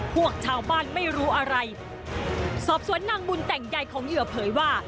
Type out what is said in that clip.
พวกชาวบ้านไม่รู้อะไรสอบสวนนางบุญแต่งใยของเหยื่อเผยว่า